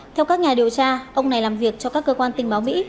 theo các nhà điều tra ông này làm việc cho các cơ quan tình báo mỹ